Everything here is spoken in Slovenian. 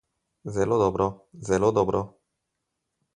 Zelo dobro, zelo dobro.